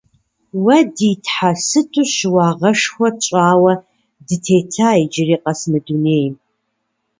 Уа, ди Тхьэ, сыту щыуагъэшхуэ тщӀэуэ дытета иджыри къэс мы дунейм!